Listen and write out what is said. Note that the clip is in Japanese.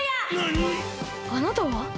あなたは？